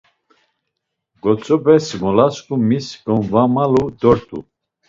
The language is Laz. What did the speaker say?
Gotzopes mlosǩu mis gamvamalu dort̆u?